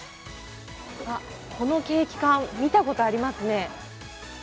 このケーキ缶見たことありますね。